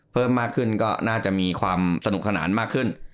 ทีมงานแล้วก็น่าจะมีความสนุกขนาดมากขึ้น